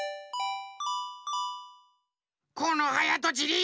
このはやとちり！